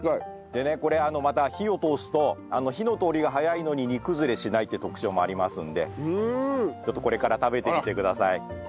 でねこれまた火を通すと火の通りが早いのに煮崩れしないって特徴もありますのでちょっとこれから食べてみてください。